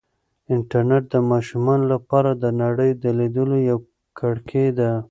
انټرنیټ د ماشومانو لپاره د نړۍ د لیدلو یوه کړکۍ ده.